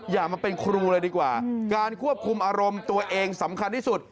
อย่ามาเป็นครูเลยดีกว่าการควบคุมอารมณ์ตัวเองสำคัญที่สุด